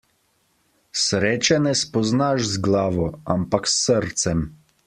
Sreče ne spoznaš z glavo, ampak s srcem.